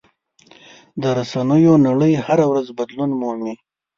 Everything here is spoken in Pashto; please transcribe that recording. د رسنیو نړۍ هره ورځ بدلون مومي.